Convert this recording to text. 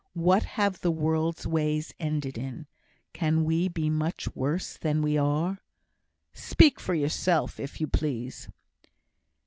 "What have the world's ways ended in? Can we be much worse than we are?" "Speak for yourself, if you please."